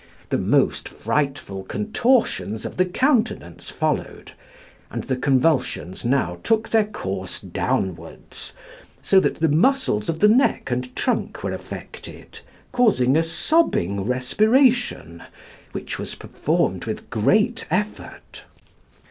The most frightful contortions of the countenance followed, and the convulsions now took their course downwards, so that the muscles of the neck and trunk were affected, causing a sobbing respiration, which was performed with great effort.